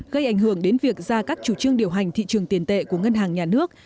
gây ảnh hưởng đến việc ra các chủ trương điều hành thị trường tiền tệ của ngân hàng nhà nước